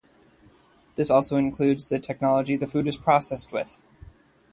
This also includes the technology the food is processed with.